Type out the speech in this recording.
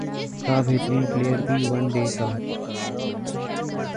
کا بہترین پلئیر بھی ون ڈے کا